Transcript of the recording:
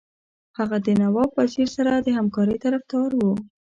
هغه د نواب وزیر سره د همکارۍ طرفدار وو.